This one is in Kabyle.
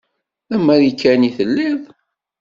D amarikani i telliḍ?